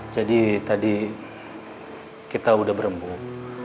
jadi tadi kita udah berembuk